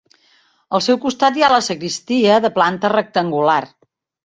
Al seu costat hi ha la sagristia, de planta rectangular.